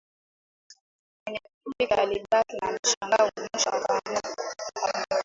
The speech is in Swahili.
Mwenye pikipiki alibaki na mshangao mwisho akaamua aondoke